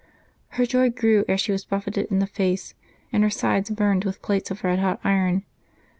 Her joy grew as she was buffeted in the face and her sides burned with plates of red hot iron.